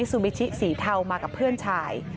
สทมสทมสพด้วย